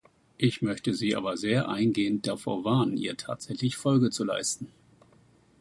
Ich möchte Sie aber sehr eingehend davor warnen, ihr tatsächlich Folge zu leisten.